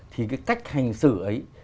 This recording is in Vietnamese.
thì cái cách hành xử ấy